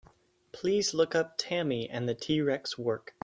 Please look up Tammy and the T-Rex work.